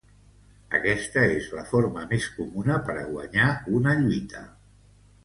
Aquesta és la forma més comuna per a guanyar una lluita.